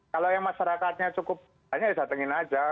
kalau yang masyarakatnya cukup banyak ya datangin aja